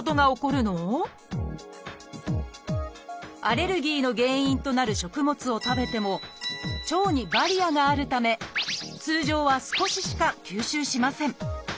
アレルギーの原因となる食物を食べても腸にバリアがあるため通常は少ししか吸収しません。